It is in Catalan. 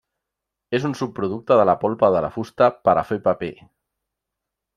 És un subproducte de la polpa de la fusta per a fer paper.